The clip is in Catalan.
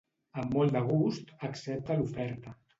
Amb molt de gust accepta l'oferta.